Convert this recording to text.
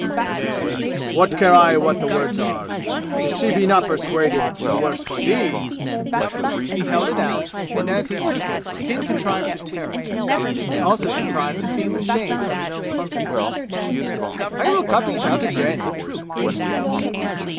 "Nay, what care I what the words are? If she be not persuaded, the worse for thee!" He held it out, and as he took it King contrived to tear it; he also contrived to seem ashamed of his own clumsiness. "I will copy it out again," he said.